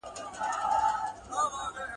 پورته والوتل پوځونه د مرغانو ..